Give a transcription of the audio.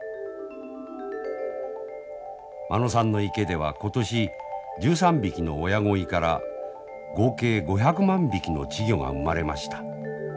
間野さんの池では今年１３匹の親鯉から合計５００万匹の稚魚が生まれました。